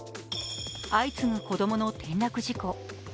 相次ぐ子供の転落事故。